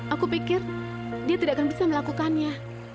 aku pikir dia tidak akan bisa melakukannya